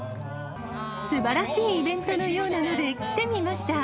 すばらしいイベントのようなので、来てみました。